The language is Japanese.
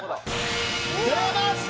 出ました！